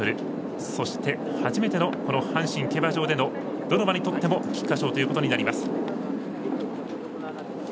そして初めての阪神競馬場どの馬にとっても菊花賞ということになります。